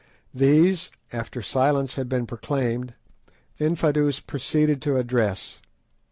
These, after silence had been proclaimed, Infadoos proceeded to address.